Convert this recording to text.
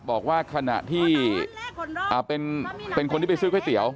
บอกว่าขณะที่เป็นคนที่ไปซื้อก๋วยเตี๋ย